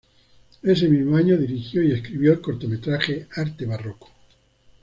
Ese mismo año dirigió y escribió el cortometraje Arte Barroco.